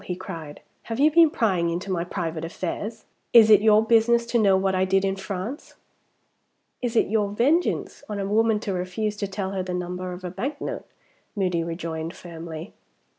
he cried, "have you been prying into my private affairs? Is it your business to know what I did in France?" "Is it your vengeance on a woman to refuse to tell her the number of a bank note?" Moody rejoined, firmly.